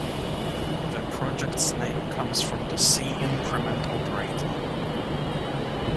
The project's name comes from the C increment operator.